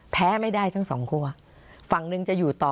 แพ้ไม่ได้ทั้งสองคั่วฝั่งหนึ่งจะอยู่ต่อ